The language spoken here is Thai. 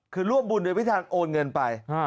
คือร่วมบุญโดยวิทยาลัยโอนเงินไป